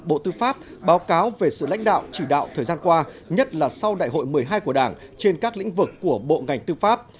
bộ tư pháp báo cáo về sự lãnh đạo chỉ đạo thời gian qua nhất là sau đại hội một mươi hai của đảng trên các lĩnh vực của bộ ngành tư pháp